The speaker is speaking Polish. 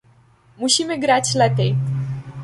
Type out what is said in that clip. Musimy grać lepiej